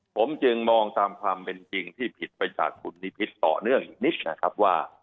ผมจึงมองตามความเป็นจริงที่ผิดไปจากคุณนิพิษต่อเนื่องอีกนิดนะครับว่า